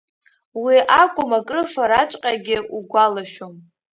Уи акәым акрыфараҵәҟьагьы угәалашәом.